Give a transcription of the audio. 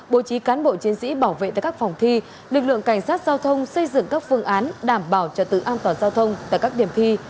bộ trí cán bộ chiến sĩ bảo vệ tại các phòng thi lực lượng cảnh sát giao thông xây dựng các phương án đảm bảo trật tự an toàn giao thông tại các điểm thi